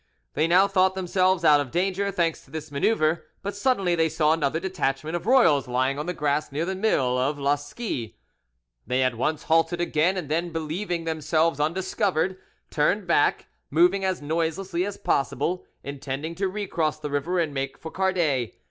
They now thought themselves out of danger, thanks to this manoeuvre, but suddenly they saw another detachment of royals lying on the grass near the mill of La Scie. They at once halted again, and then, believing themselves undiscovered, turned back, moving as noiselessly as possible, intending to recross the river and make for Cardet.